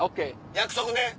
約束ね。